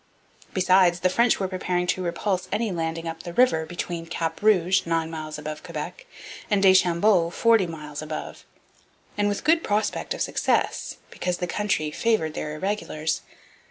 Besides, the French were preparing to repulse any landing up the river, between Cap Rouge, nine miles above Quebec, and Deschambault, forty miles above; and with good prospect of success, because the country favoured their irregulars.